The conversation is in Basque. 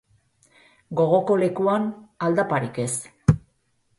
Gogoko lekuan, aldaparik ez.